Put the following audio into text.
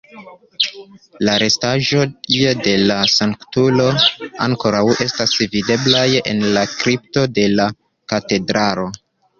La restaĵoj de la sanktulo ankoraŭ estas videblaj en la kripto de la katedralo.